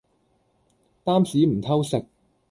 擔屎唔偷食